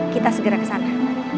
kita segera ke sana